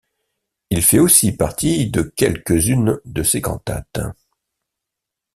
Il fait aussi partie de quelques-unes de ses cantates.